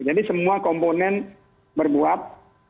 jadi semua komponen berbuat